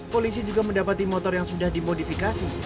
polisi juga mendapati motor yang sudah dimodifikasi